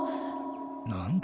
何だ？